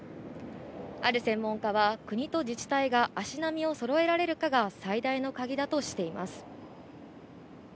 ある専門家は国と自治体が足並みをそろえられるかが最大のカギだとしています。